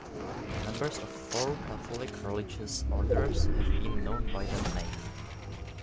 Members of four Catholic religious orders have been known by that name.